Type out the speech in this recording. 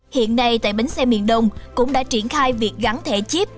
hiện nay tại bến xe miền đông cũng đã triển khai việc gắn thẻ chip